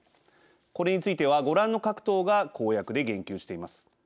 これについてはご覧の各党が公約で言及しています。